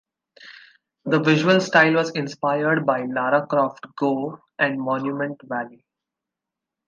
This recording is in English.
The visual style was inspired by "Lara Croft Go" and "Monument Valley".